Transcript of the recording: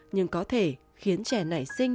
nhưng có thể khiến trẻ nảy sinh